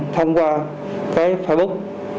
thông qua cái facebook